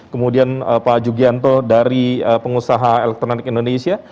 kemudian pak jugianto dari pengusaha elektronik indonesia